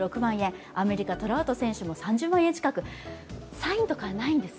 サインとかはないんです。